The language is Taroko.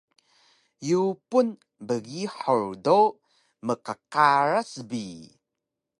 Yupun bgihur do mqqaras bi